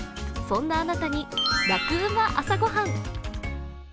そんなあなたに「ラクうま！朝ごはん」。